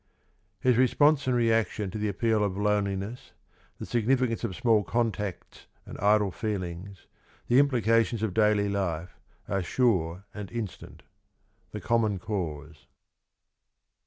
His response and reaction to the appeal of loneliness, the significance of small contacts, and idle feelings, the implica tions of daily life, are sure and instant. — The Common Cause.